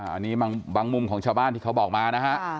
อันนี้บางมุมของชาวบ้านที่เขาบอกมานะฮะ